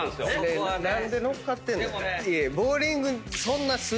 何で乗っかってんの？